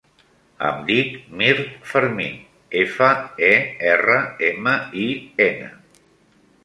Em dic Mirt Fermin: efa, e, erra, ema, i, ena.